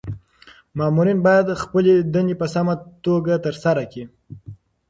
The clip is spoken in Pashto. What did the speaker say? مامورین باید خپلي دندي په سمه توګه ترسره کړي.